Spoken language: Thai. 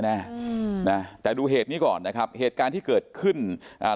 แน่อืมนะแต่ดูเหตุนี้ก่อนนะครับเหตุการณ์ที่เกิดขึ้นอ่า